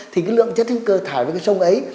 thì cái lượng chất hữu cơ thải vào cái sông ấy